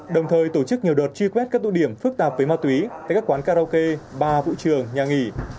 đồng thời tổ chức nhiều đợt truy quét các tụ điểm phức tạp với ma túy tại các quán karaoke ba vụ trường nhà nghỉ